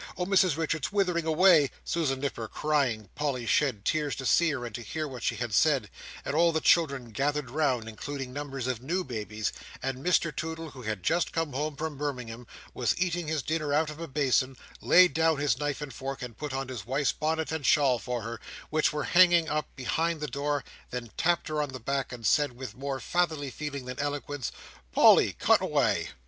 Oh, Mrs Richards, withering away!" Susan Nipper crying, Polly shed tears to see her, and to hear what she had said; and all the children gathered round (including numbers of new babies); and Mr Toodle, who had just come home from Birmingham, and was eating his dinner out of a basin, laid down his knife and fork, and put on his wife's bonnet and shawl for her, which were hanging up behind the door; then tapped her on the back; and said, with more fatherly feeling than eloquence, "Polly! cut away!"